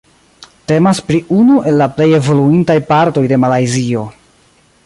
Temas pri unu el la plej evoluintaj partoj de Malajzio.